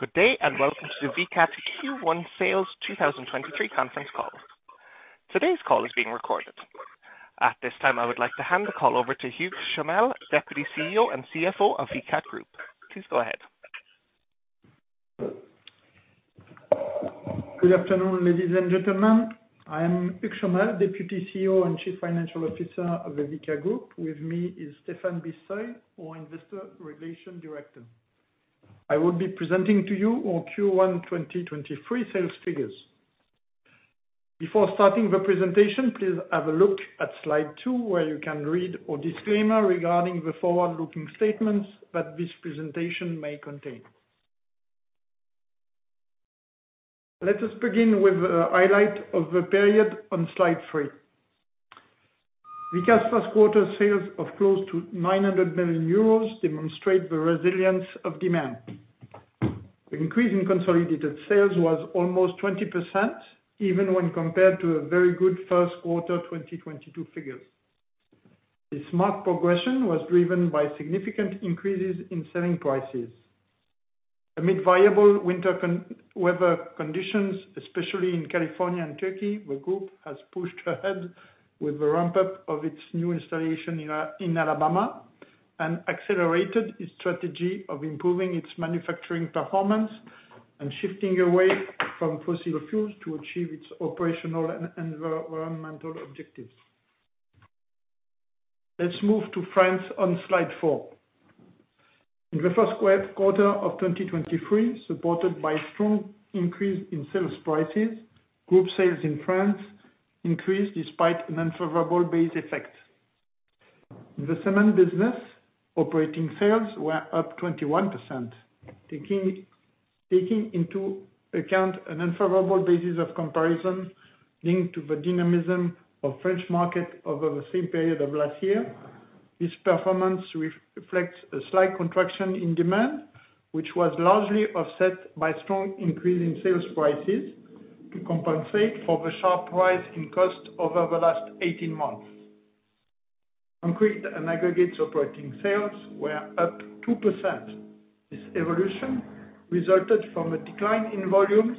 Good day, welcome to the Vicat Q1 Sales 2023 Conference Call. Today's call is being recorded. At this time, I would like to hand the call over to Hugues Chomel, Deputy CEO and CFO of Vicat Group. Please go ahead. Good afternoon, ladies and gentlemen. I am Hugues Chomel, Deputy CEO and Chief Financial Officer of the Vicat Group. With me is Stéphane Bisseuil, our Investor Relation Director. I will be presenting to you on Q1 2023 sales figures. Before starting the presentation, please have a look at slide two, where you can read our disclaimer regarding the forward-looking statements that this presentation may contain. Let us begin with the highlight of the period on slide three. Vicat's first quarter sales of close to 900 million euros demonstrate the resilience of demand. The increase in consolidated sales was almost 20%, even when compared to a very good first quarter 2022 figures. This smart progression was driven by significant increases in selling prices. Amid viable winter weather conditions, especially in California and Turkey, the group has pushed ahead with the ramp-up of its new installation in Alabama, and accelerated its strategy of improving its manufacturing performance and shifting away from fossil fuels to achieve its operational and environmental objectives. Let's move to France on slide four. In the first quarter of 2023, supported by strong increase in sales prices, group sales in France increased despite an unfavorable base effect. The cement business operating sales were up 21%. Taking into account an unfavorable basis of comparison linked to the dynamism of French market over the same period of last year, this performance reflects a slight contraction in demand, which was largely offset by strong increase in sales prices to compensate for the sharp rise in cost over the last 18 months. Concrete and aggregates operating sales were up 2%. This evolution resulted from a decline in volumes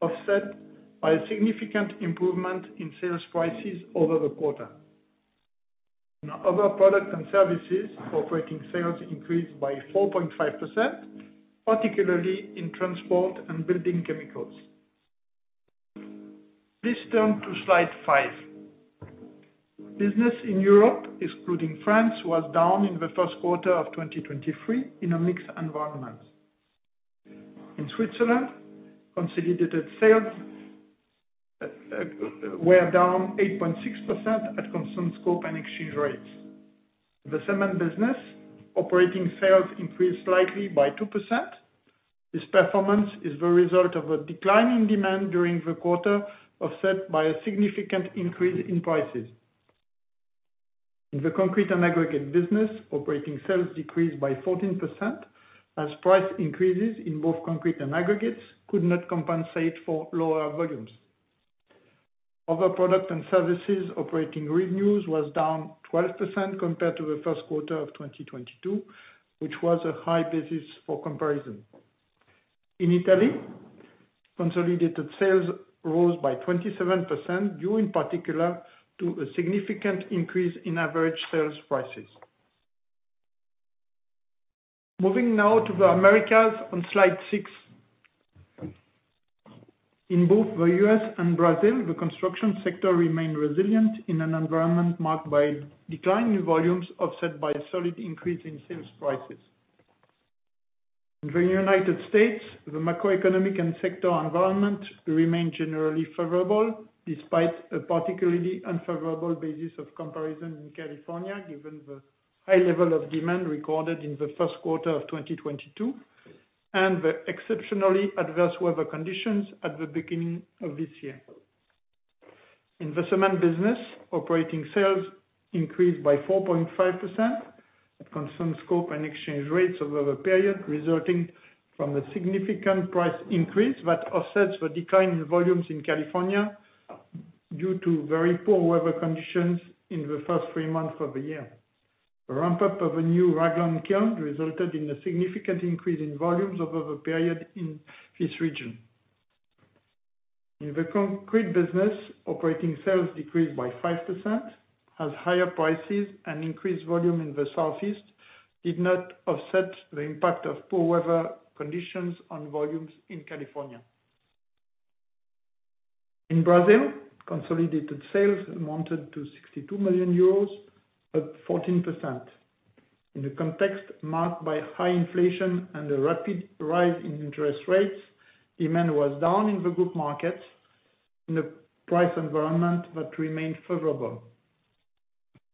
offset by a significant improvement in sales prices over the quarter. In other products and services, operating sales increased by 4.5%, particularly in transport and building chemicals. Please turn to slide five. Business in Europe, excluding France, was down in the first quarter of 2023 in a mixed environment. In Switzerland, consolidated sales were down 8.6% at constant scope and exchange rates. The cement business operating sales increased slightly by 2%. This performance is the result of a decline in demand during the quarter, offset by a significant increase in prices. In the concrete and aggregate business, operating sales decreased by 14% as price increases in both concrete and aggregates could not compensate for lower volumes. Other product and services operating revenues was down 12% compared to the first quarter of 2022, which was a high basis for comparison. In Italy, consolidated sales rose by 27%, due in particular to a significant increase in average sales prices. Moving now to the Americas on slide six. In both the U.S. and Brazil, the construction sector remained resilient in an environment marked by decline in volumes offset by a solid increase in sales prices. In the United States, the macroeconomic and sector environment remained generally favorable despite a particularly unfavorable basis of comparison in California, given the high level of demand recorded in the first quarter of 2022, and the exceptionally adverse weather conditions at the beginning of this year. In the cement business, operating sales increased by 4.5% at constant scope and exchange rates over the period, resulting from the significant price increase that offsets the decline in volumes in California due to very poor weather conditions in the first three months of the year. The ramp-up of a new Ragland kiln resulted in a significant increase in volumes over the period in this region. In the concrete business, operating sales decreased by 5%, as higher prices and increased volume in the Southeast did not offset the impact of poor weather conditions on volumes in California. In Brazil, consolidated sales amounted to 62 million euros at 14%. In the context marked by high inflation and a rapid rise in interest rates, demand was down in the group markets in a price environment that remained favorable.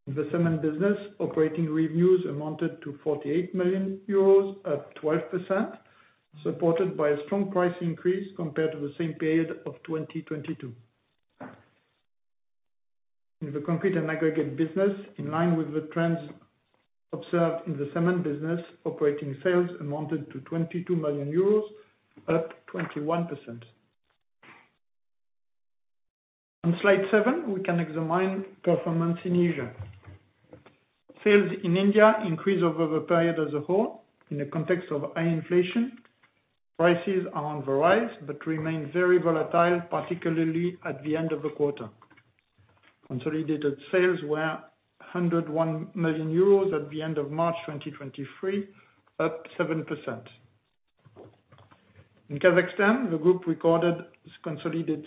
In the cement business, operating revenues amounted to 48 million euros at 12%, supported by a strong price increase compared to the same period of 2022. In the concrete and aggregate business, in line with the trends observed in the cement business, operating sales amounted to 22 million euros, up 21%. On Slide seven, we can examine performance in Asia. Sales in India increased over the period as a whole in the context of high inflation. Prices are on the rise, remain very volatile, particularly at the end of the quarter. Consolidated sales were 101 million euros at the end of March 2023, up 7%. In Kazakhstan, the group recorded consolidated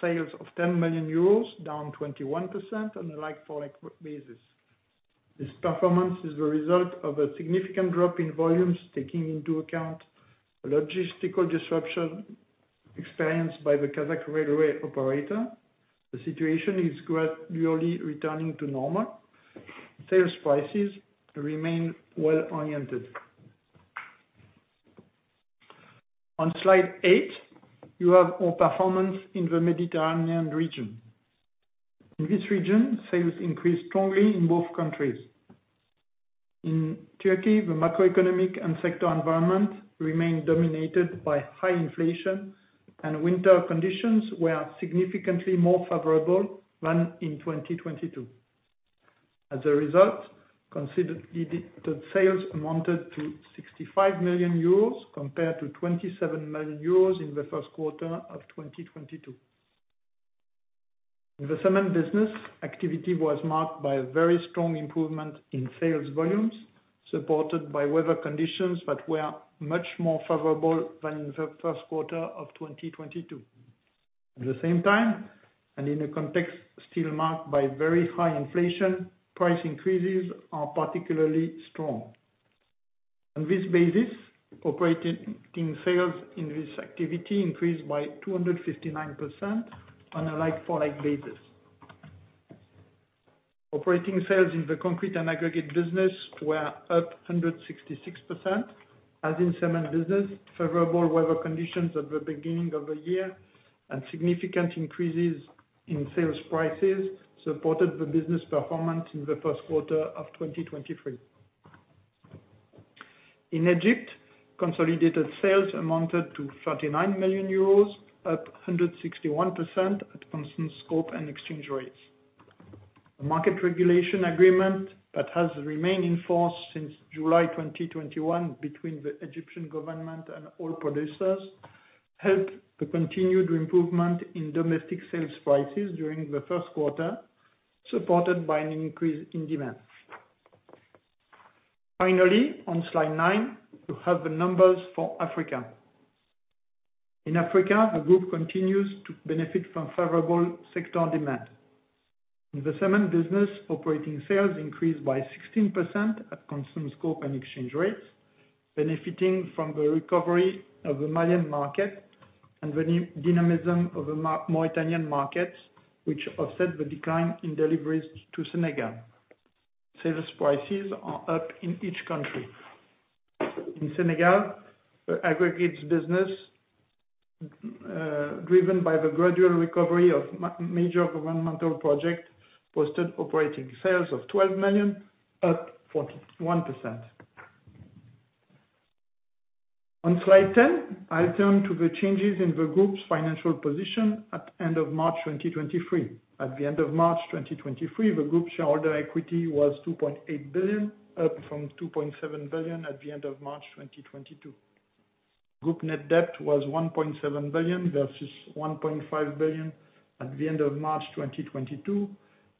sales of 10 million euros, down 21% on a like-for-like basis. This performance is the result of a significant drop in volumes, taking into account logistical disruption experienced by the Kazakhstan Temir Zholy. The situation is gradually returning to normal. Sales prices remain well-oriented. On slide eight, you have our performance in the Mediterranean region. In this region, sales increased strongly in both countries. In Turkey, the macroeconomic and sector environment remained dominated by high inflation and winter conditions were significantly more favorable than in 2022. As a result, the sales amounted to 65 million euros compared to 27 million euros in the first quarter of 2022. The cement business activity was marked by a very strong improvement in sales volumes, supported by weather conditions that were much more favorable than the first quarter of 2022. At the same time, in a context still marked by very high inflation, price increases are particularly strong. On this basis, operating sales in this activity increased by 259% on a like-for-like basis. Operating sales in the concrete and aggregate business were up 166%. As in cement business, favorable weather conditions at the beginning of the year and significant increases in sales prices supported the business performance in the first quarter of 2023. In Egypt, consolidated sales amounted to 39 million euros, up 161% at constant scope and exchange rates. The market regulation agreement that has remained in force since July 2021 between the Egyptian government and oil producers helped the continued improvement in domestic sales prices during the first quarter, supported by an increase in demand. On slide nine, you have the numbers for Africa. In Africa, the group continues to benefit from favorable sector demand. In the cement business, operating sales increased by 16% at constant scope and exchange rates, benefiting from the recovery of the Malian market and the dynamism of the Mauritanian markets, which offset the decline in deliveries to Senegal. Sales prices are up in each country. In Senegal, the aggregates business, driven by the gradual recovery of major governmental projects, posted operating sales of 12 million, up 41%. On slide 10, I turn to the changes in the group's financial position at end of March 2023. At the end of March 2023, the group shareholder equity was 2.8 billion, up from 2.7 billion at the end of March 2022. Group net debt was 1.7 billion versus 1.5 billion at the end of March 2022,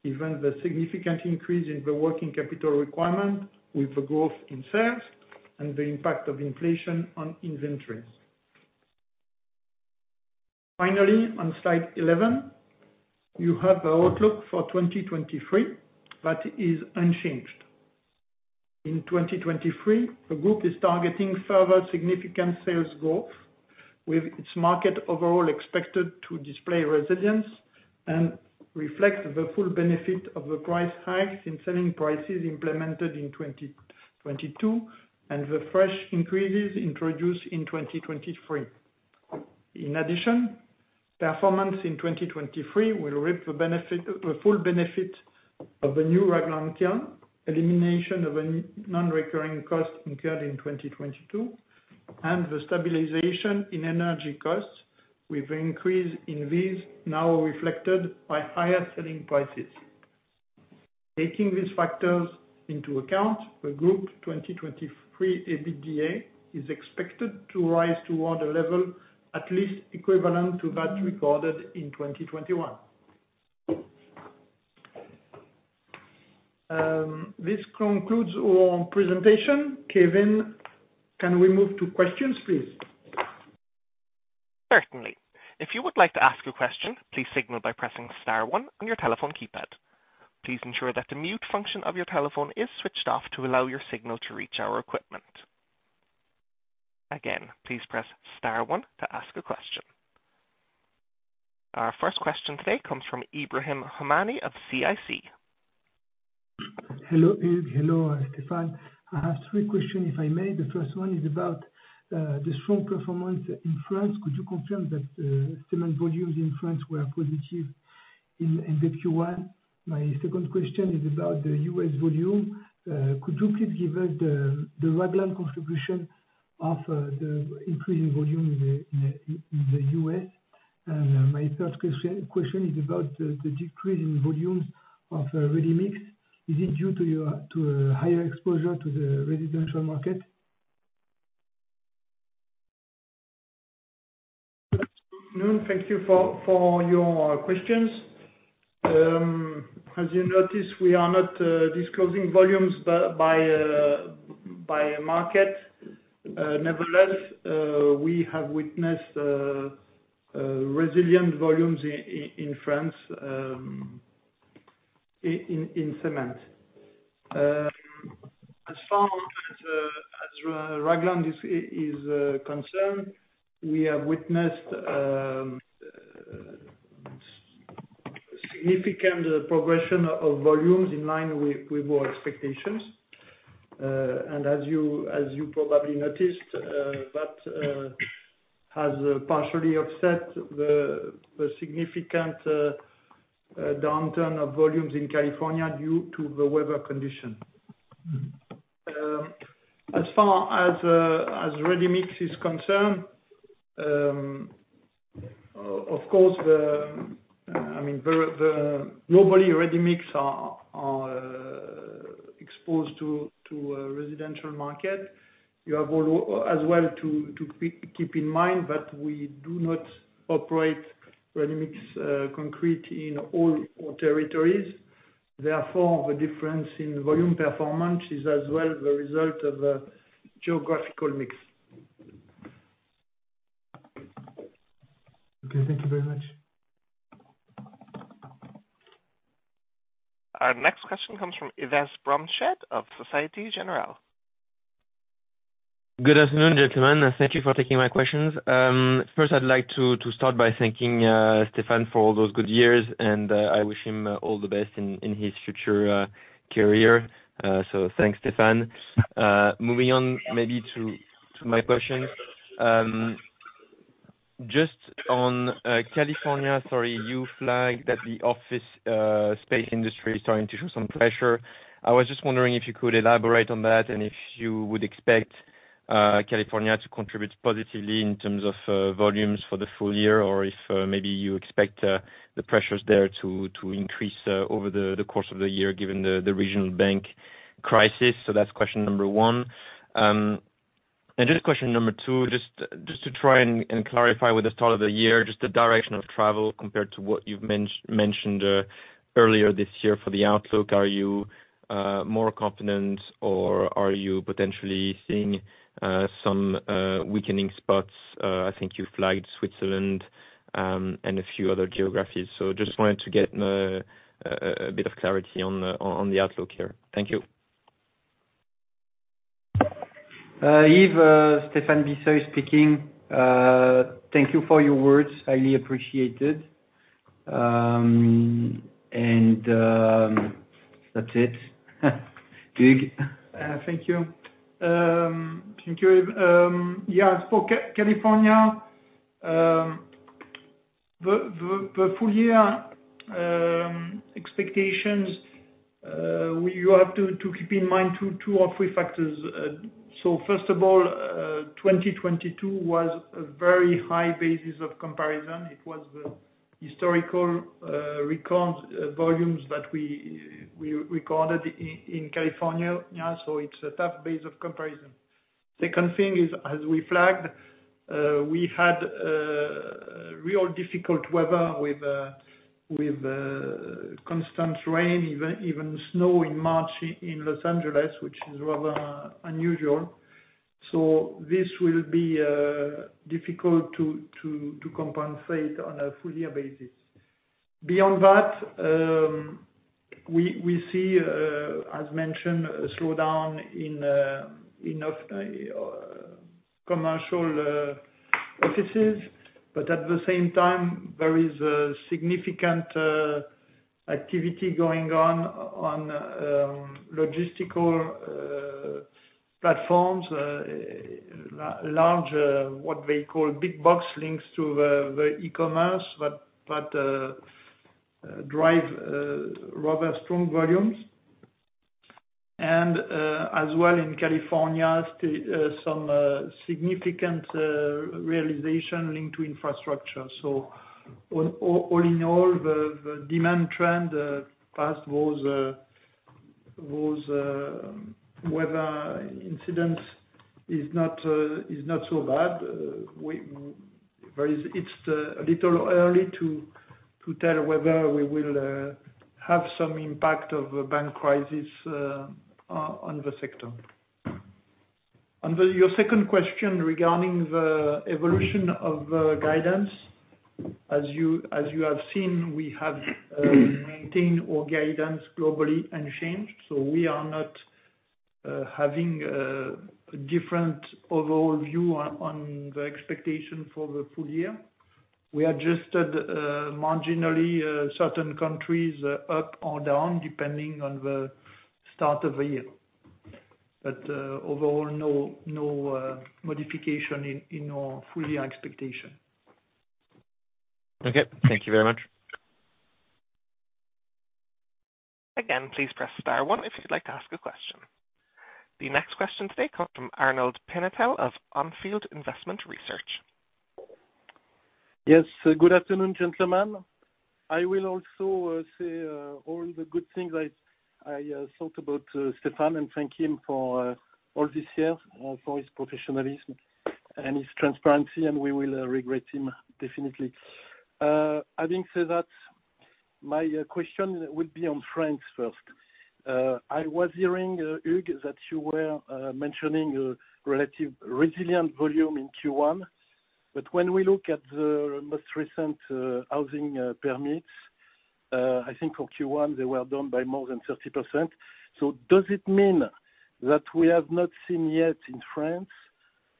given the significant increase in the working capital requirement with the growth in sales and the impact of inflation on inventories. On slide 11, you have our outlook for 2023 that is unchanged. In 2023, the group is targeting further significant sales growth with its market overall expected to display resilience and reflect the full benefit of the price hikes in selling prices implemented in 2022 and the fresh increases introduced in 2023. Performance in 2023 will reap the full benefit of the new Ragland kiln, elimination of an non-recurring costs incurred in 2022, and the stabilization in energy costs with increase in these now reflected by higher selling prices. Taking these factors into account, the group 2023 EBITDA is expected to rise toward a level at least equivalent to that recorded in 2021. This concludes our presentation. Kevin, can we move to questions, please? Certainly. If you would like to ask a question, please signal by pressing star one on your telephone keypad. Please ensure that the mute function of your telephone is switched off to allow your signal to reach our equipment. Again, please press star one to ask a question. Our first question today comes from Ebrahim Homami of CIC. Hello, Hugues. Hello, Stéphane. I have three questions, if I may. The first one is about the strong performance in France. Could you confirm that cement volumes in France were positive in the Q1? My second question is about the U.S. volume. Could you please give us the Ragland contribution. Of the increasing volume in the, in the, in the U.S. My third question is about the decrease in volumes of ReadyMix. Is it due to a higher exposure to the residential market? Nuno, thank you for your questions. As you noticed, we are not disclosing volumes by market. Nevertheless, we have witnessed resilient volumes in France, in Cement. As far as Ragland is concerned, we have witnessed significant progression of volumes in line with our expectations. As you probably noticed, that has partially upset the significant downturn of volumes in California due to the weather condition. As far as ReadyMix is concerned, I mean, the globally ReadyMix are exposed to residential market. You have as well to keep in mind that we do not operate ReadyMix concrete in all our territories. Therefore, the difference in volume performance is as well the result of a geographical mix. Okay, thank you very much. Our next question comes from Yves Bromehead of Societe Generale. Good afternoon, gentlemen. Thank you for taking my questions. First I'd like to start by thanking Stefan for all those good years, and I wish him all the best in his future career. Thanks Stéphane. Moving on maybe to my question, just on California, sorry, you flagged that the office space industry is starting to show some pressure. I was just wondering if you could elaborate on that, and if you would expect California to contribute positively in terms of volumes for the full year, or if maybe you expect the pressures there to increase over the course of the year, given the regional bank crisis. That's question number one. Just question number number, just to try and clarify with the start of the year, just the direction of travel compared to what you've mentioned earlier this year for the outlook. Are you more confident or are you potentially seeing some weakening spots? I think you flagged Switzerland and a few other geographies. Just wanted to get a bit of clarity on the outlook here. Thank you. Yves, Stéphane Bisseuil speaking. Thank you for your words, highly appreciated. That's it. Hugues? Thank you. Thank you, Yves. For California, the full year expectations, you have to keep in mind two or three factors. First of all, 2022 was a very high basis of comparison. It was the historical records volumes that we recorded in California. It's a tough base of comparison. Second thing is, as we flagged, we had real difficult weather with constant rain, even snow in March in Los Angeles, which is rather unusual. This will be difficult to compensate on a full year basis. Beyond that, we see as mentioned, a slowdown in of commercial offices. At the same time, there is a significant activity going on logistical platforms, large, what they call big-box links to the e-commerce, but drive rather strong volumes. As well in California, some significant realization linked to infrastructure. All in all the demand trend past those weather incidents is not so bad. We, there is It's a little early to tell whether we will have some impact of the bank crisis on the sector. On the, your second question regarding the evolution of the guidance, as you have seen, we have maintained our guidance globally unchanged, so we are not having a different overall view on the expectation for the full year. We adjusted marginally certain countries up or down, depending on the start of the year. Overall, no modification in our full year expectation. Okay, thank you very much. Again, please press star one if you'd like to ask a question. The next question today comes from Arnaud Pinatel of On Field Investment Research. Yes. Good afternoon, gentlemen. I will also say all the good things I thought about Stefan, thank him for all this year, for his professionalism and his transparency, and we will regret him definitely. Having said that, my question would be on France first. I was hearing, Hugues, that you were mentioning a relative resilient volume in Q1, when we look at the most recent housing permits, I think for Q1, they were down by more than 30%. Does it mean that we have not seen yet in France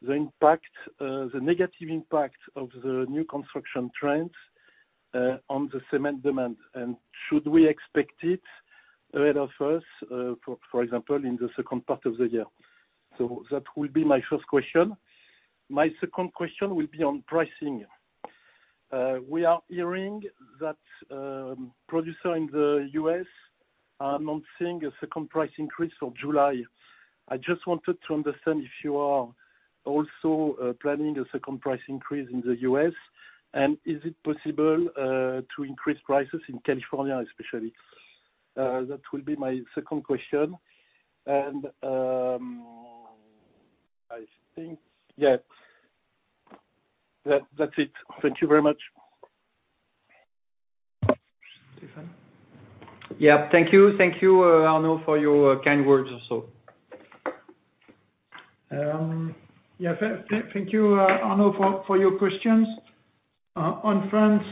the impact, the negative impact of the new construction trends, on the cement demand? Should we expect it ahead of us, for example, in the second part of the year? That will be my first question. My second question will be on pricing. We are hearing that producer in the U.S. are not seeing a second price increase of July. I just wanted to understand if you are also planning a second price increase in the U.S., and is it possible to increase prices in California especially? That will be my second question. I think that's it. Thank you very much. Stéphane? Yeah. Thank you. Thank you, Arnaud, for your kind words also. Yeah. Thank you, Arnaud, for your questions. On France,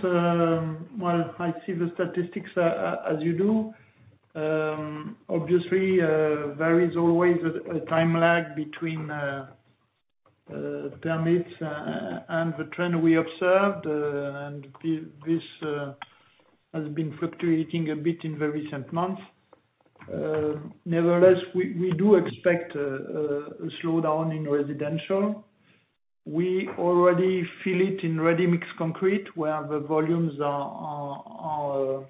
well, I see the statistics as you do. Obviously, there is always a time lag between permits and the trend we observed. This has been fluctuating a bit in the recent months. Nevertheless, we do expect a slowdown in residential. We already feel it in Ready-mixed concrete, where the volumes are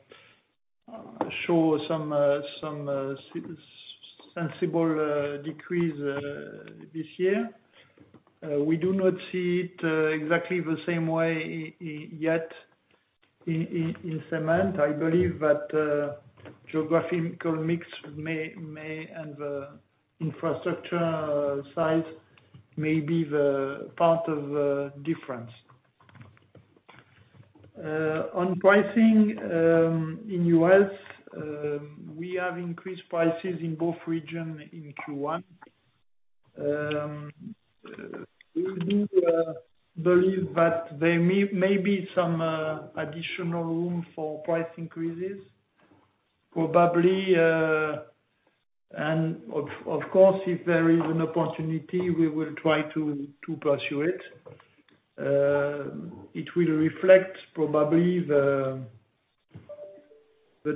show some sensible decrease this year. We do not see it exactly the same way yet in cement. I believe that geographical mix may, and the infrastructure size may be the part of the difference. On pricing, in U.S., we have increased prices in both region in Q1. We do believe that there may be some additional room for price increases probably. Of course, if there is an opportunity, we will try to pursue it. It will reflect probably the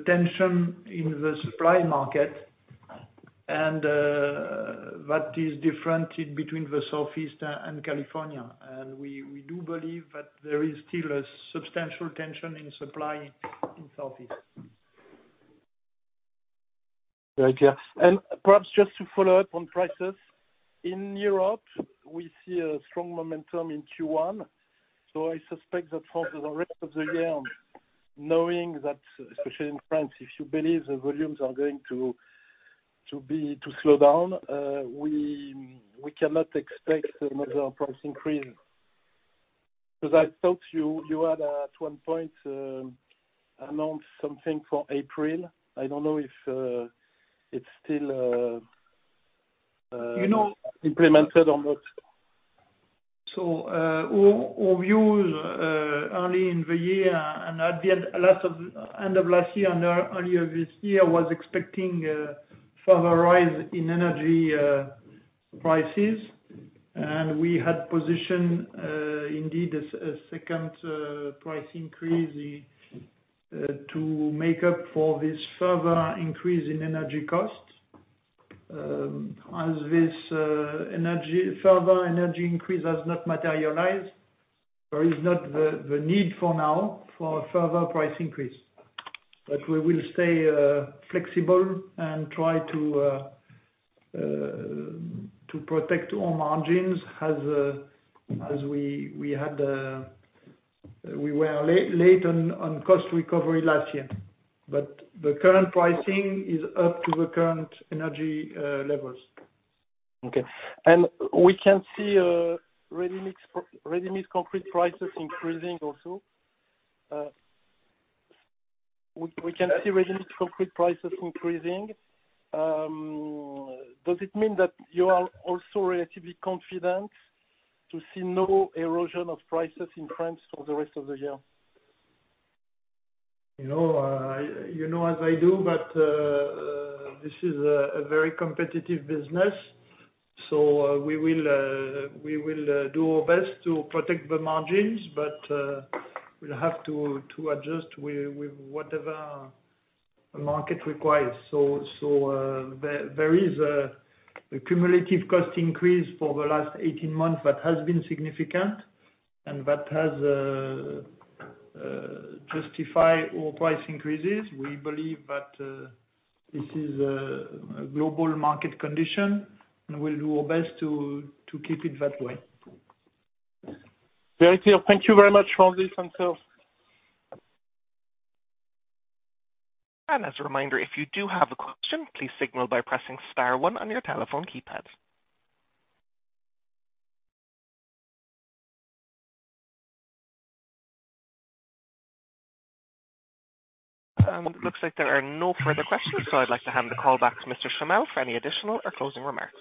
tension in the supply market and what is different in between the Southeast and California. We do believe that there is still a substantial tension in supply in Southeast. Very clear. Perhaps just to follow up on prices. In Europe, we see a strong momentum in Q1, I suspect that for the rest of the year, knowing that, especially in France, if you believe the volumes are going to be to slow down, we cannot expect another price increase. Cause I thought you had, at one point, announced something for April. I don't know if it's still. You know. implemented or not. Our views early in the year and at the end of last year and earlier this year was expecting further rise in energy prices. We had positioned indeed a second price increase to make up for this further increase in energy costs. As this energy, further energy increase has not materialized, there is not the need for now for a further price increase. We will stay flexible and try to protect our margins as we had we were late on cost recovery last year. The current pricing is up to the current energy levels. Okay. we can see Ready-mixed concrete prices increasing also. we can see Ready-mixed concrete prices increasing. Does it mean that you are also relatively confident to see no erosion of prices in France for the rest of the year? You know, you know as I do that, this is a very competitive business. We will do our best to protect the margins, but we'll have to adjust with whatever the market requires. There is a cumulative cost increase for the last 18 months that has been significant, and that has justify our price increases. We believe that this is a global market condition, and we'll do our best to keep it that way. Very clear. Thank you very much for this answer. As a reminder, if you do have a question, please signal by pressing star one on your telephone keypad. It looks like there are no further questions, so I'd like to hand the call back to Mr. Chomel for any additional or closing remarks.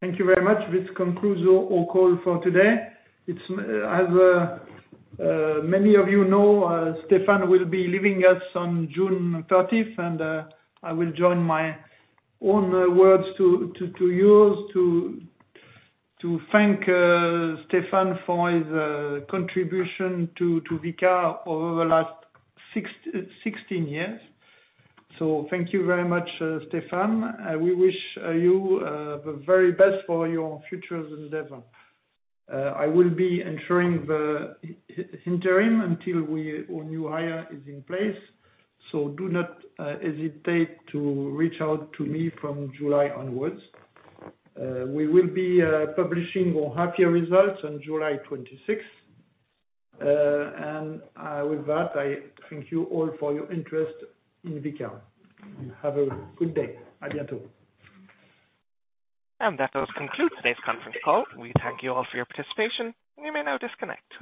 Thank you very much. This concludes our call for today. It's as many of you know, Stéphane will be leaving us on June 30th, and I will join my own words to yours to thank Stéphane for his contribution to Vicat over the last 16 years. Thank you very much, Stefan. We wish you the very best for your future endeavor. I will be ensuring the interim until our new hire is in place, so do not hesitate to reach out to me from July onwards. We will be publishing our half year results on July 26th. With that, I thank you all for your interest in Vicat. Have a good day. That does conclude today's conference call. We thank you all for your participation. You may now disconnect.